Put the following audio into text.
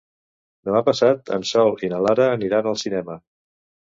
Demà passat en Sol i na Lara aniran al cinema.